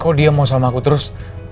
kok dia mau sama aku terus